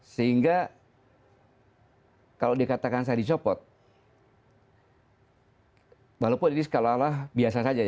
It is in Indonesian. sehingga kalau dikatakan saya dicopot walaupun ini skala biasa saja